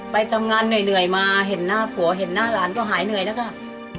ไปทำงานเหนื่อยมาเห็นหน้าผัวเห็นหน้าหลานก็หายเหนื่อยแล้วก็